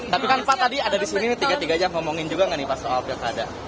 tapi kan pak tadi ada disini tiga tiga jam ngomongin juga gak nih pas objek ada